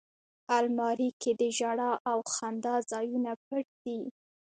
الماري کې د ژړا او خندا ځایونه پټ دي